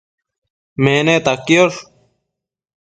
Meneta quiosh